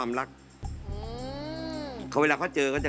สำเร็จ